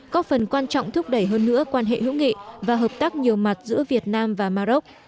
có phần quan trọng thúc đẩy hơn nữa quan hệ hữu nghị và hợp tác nhiều mặt giữa việt nam và maroc